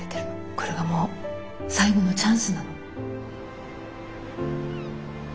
これがもう最後のチャンスなの。